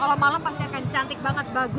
kalo malem pasti akan cantik banget